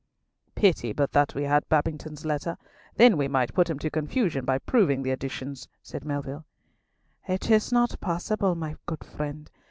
"Pity but that we had Babington's letter! Then might we put him to confusion by proving the additions," said Melville. "It is not possible, my good friend.